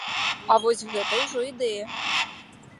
А вось гэта ўжо ідэя!